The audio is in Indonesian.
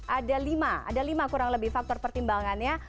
ada lima ada lima kurang lebih faktor pertimbangannya